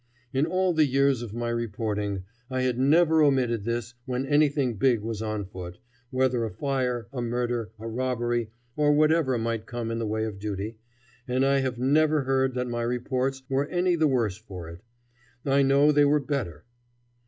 In all the years of my reporting I have never omitted this when anything big was on foot, whether a fire, a murder, a robbery, or whatever might come in the way of duty, and I have never heard that my reports were any the worse for it. I know they were better.